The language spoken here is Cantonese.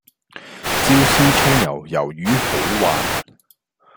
椒絲蔥油魷魚好滑